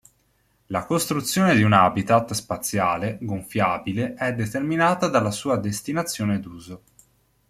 La costruzione di un habitat spaziale gonfiabile è determinata dalla sua destinazione d'uso.